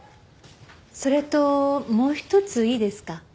それともう一ついいですか？